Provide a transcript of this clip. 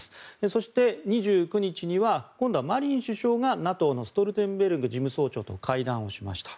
そして、２９日には今度はマリン首相がＮＡＴＯのストルテンベルグ事務総長と会談をしました。